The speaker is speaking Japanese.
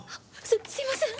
すすいません！